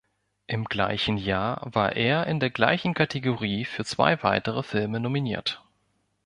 Im gleichen Jahr war er in der gleichen Kategorie für zwei weitere Filme nominiert.